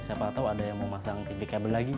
siapa tau ada yang mau masang tv kabel lagi